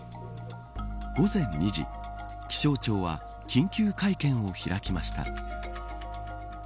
午前２時気象庁は緊急会見を開きました。